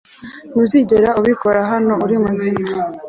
Ntuzigera ubikora hano ari muzima